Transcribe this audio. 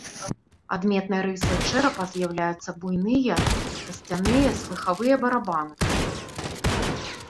Адметнай рысай чэрапа з'яўляюцца буйныя касцяныя слыхавыя барабаны.